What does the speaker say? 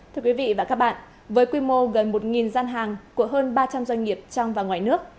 thưa quý vị và các bạn với quy mô gần một gian hàng của hơn ba trăm linh doanh nghiệp trong và ngoài nước